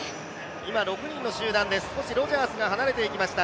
今６人の集団です、少しロジャースが離れていきました。